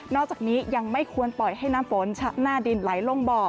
อกจากนี้ยังไม่ควรปล่อยให้น้ำฝนชะหน้าดินไหลลงบ่อ